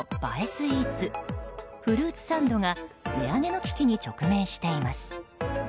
スイーツフルーツサンドが値上げの危機に直面しています。